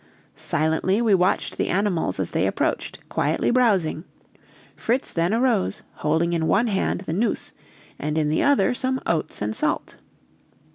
Silently we watched the animals as they approached, quietly browsing; Fritz then arose, holding in one hand the noose and in the other some oats and salt.